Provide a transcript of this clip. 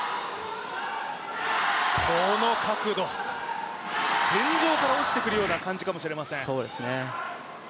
この角度、天井から落ちてくるような感じかもしれません。